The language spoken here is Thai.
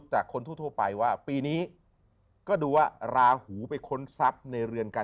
แต่คนทั่วไปว่าปีนี้ก็ดูว่าราหูไปค้นทรัพย์ในเรือนการ